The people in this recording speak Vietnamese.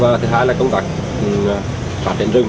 và thứ hai là công tác phát triển rừng